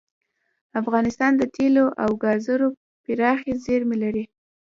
افغانستان د تیلو او ګازو پراخې زیرمې لري.